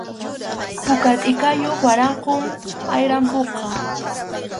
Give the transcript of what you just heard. Puka tʼikayuq waraqum ayrampuqa.